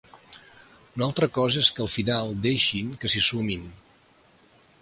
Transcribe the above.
Una altra cosa és que al final deixin que s’hi sumin.